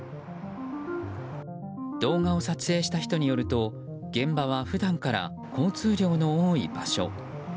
動画を撮影した人によると現場は普段から交通量の多い場所。